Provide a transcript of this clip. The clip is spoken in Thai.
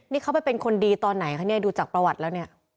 นี่เขาไปเป็นคนดีตอนไหนคะเนี่ยดูจากประวัติแล้วเนี่ย